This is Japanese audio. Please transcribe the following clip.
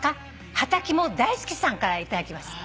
ハタキも大好きさんから頂きました。